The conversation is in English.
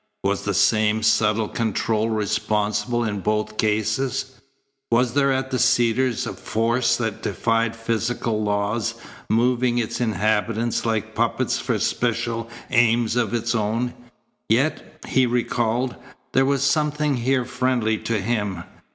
Was the same subtle control responsible in both cases? Was there at the Cedars a force that defied physical laws, moving its inhabitants like puppets for special aims of its own? Yet, he recalled, there was something here friendly to him.